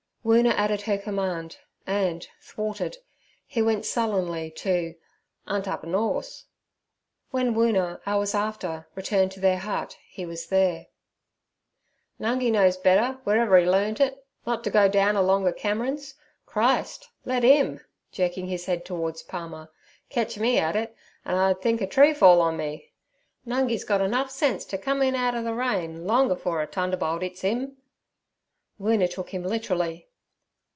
Woona added her command, and, thwarted, he went sullenly to "unt up a norse.' When Woona, hours after, returned to their hut, he was there. 'Nungi knows better, w'erever 'e learnt it, not t' go down alonger Camerons. Christ! let 'im'—jerking his head towards Palmer—'ketch me at it, an' I'd think a tree fall on me. Nungi's got ernuff sense t' come in out o' ther rain long afore a t'underbolt 'its 'im.' Woona took him literally.